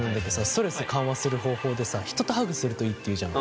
ストレス緩和する方法でさ人とハグするといいって言うじゃん。